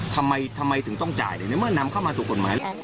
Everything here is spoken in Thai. ทำไมถึงต้องจ่ายในเมื่อนำเข้ามาสู่กฎหมายแล้ว